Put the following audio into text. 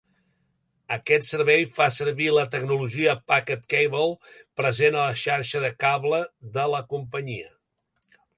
Aquest servei fa servir la tecnologia PacketCable present a la xarxa de cable de la companyia.